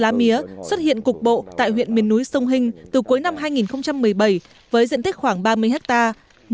lá mía xuất hiện cục bộ tại huyện miền núi sông hình từ cuối năm hai nghìn một mươi bảy với diện tích khoảng ba mươi hectare